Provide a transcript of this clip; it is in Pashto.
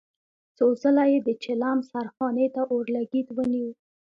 څو ځله يې د چيلم سرخانې ته اورلګيت ونيو.